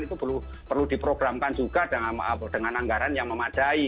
itu perlu diprogramkan juga dengan anggaran yang memadai